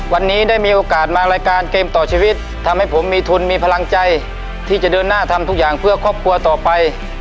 วันนี้ได้มีโอกาสมารายการเกมต่อชีวิตทำให้ผมมีทุนมีพลังใจที่จะเดินหน้าทำทุกอย่างเพื่อครอบครัวต่อไป